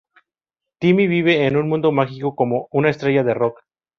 Timmy vive en mundo mágico como una estrella de rock.